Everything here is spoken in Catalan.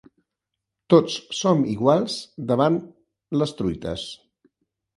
Tots som iguals davant les truites.